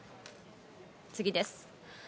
次です。